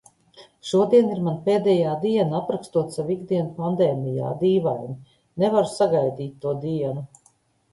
Šodiena ir mana pēdējā diena aprakstot savu ikdienu pandēmijā... dīvaini. Nevaru sagaidīt to dienu.